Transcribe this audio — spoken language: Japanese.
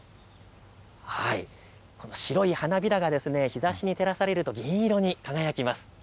白い花びらが日ざしに照らされると銀色に輝きます。